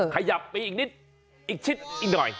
ขยับไปอีกนิดอีกชิดอีกหน่อย